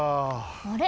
あれ？